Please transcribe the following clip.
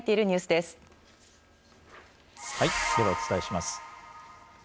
ではお伝えします。